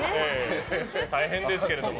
大変ですけれども。